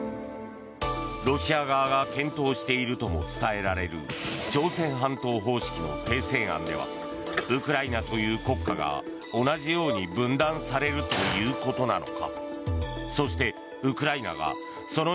ロシア側が検討しているとも伝えられる朝鮮半島方式の停戦案ではウクライナという国家が同じように分断されるということなのか。